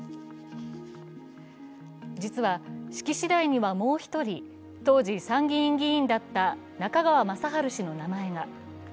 実は、式次第にはもう一人、当時参議院議員だった中川雅治氏の名前が。